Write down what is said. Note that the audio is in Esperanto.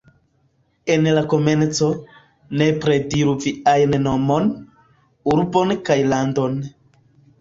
En la komenco, nepre diru viajn nomon, urbon kaj landon.